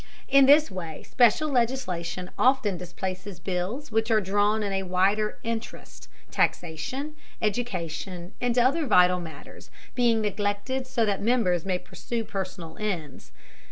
In this way special legislation often displaces bills which are drawn in a wider interest, taxation, education, and other vital matters being neglected so that members may pursue personal ends.